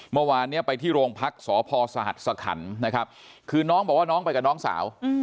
เมื่อวานนี้ไปที่โรงพักษพสหัสสคันนะครับคือน้องบอกว่าน้องไปกับน้องสาว